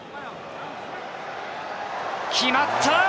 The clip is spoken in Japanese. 決まった！